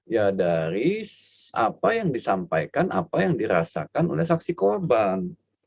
ya dari apa yang disampaikan apa yang dirasakan oleh saksi korban